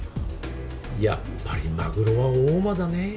やっぱりマグロは大間だねぇ。